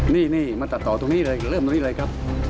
นี่มาตัดต่อตรงนี้เลยเริ่มตรงนี้เลยครับ